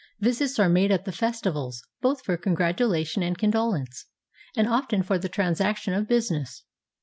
Visits are made at the festivals, both for congratulation and condolence, and often for the transaction of business.